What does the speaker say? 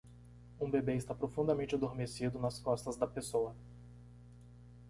Um bebê está profundamente adormecido nas costas da pessoa.